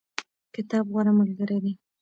کتاب غوره ملګری دی